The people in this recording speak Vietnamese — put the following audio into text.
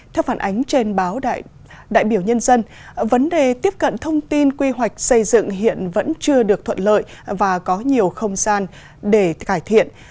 theo phản ánh trên báo đại biểu nhân dân vấn đề tiếp cận thông tin quy hoạch xây dựng hiện vẫn chưa được thuận lợi và có nhiều không gian để cải thiện